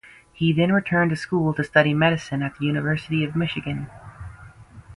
He then returned to school to study medicine at the University of Michigan.